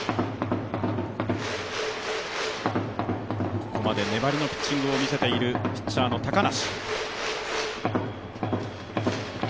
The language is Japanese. ここまで粘りのピッチングを見せているピッチャーの高梨。